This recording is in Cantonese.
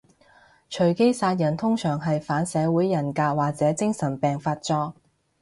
隨機殺人通常係反社會人格或者精神病發作